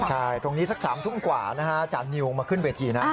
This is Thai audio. ใช่ตรงนี้สัก๓ทุ่มกว่าจันทนิวมาขึ้นเวที